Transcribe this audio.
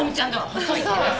細いって。